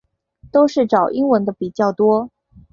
都是找英文的比较多